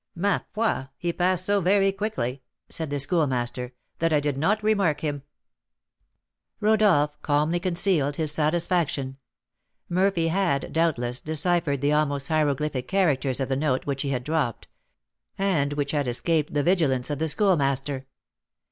"Ma foi! he passed so very quickly," said the Schoolmaster, "that I did not remark him." Rodolph calmly concealed his satisfaction; Murphy had, doubtless, deciphered the almost hieroglyphic characters of the note which he had dropped, and which had escaped the vigilance of the Schoolmaster.